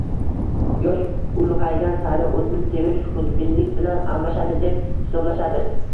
Yosh ulg`aygan sari o`zini sevish xudbinlik bilan almashadi, deb hisoblashadi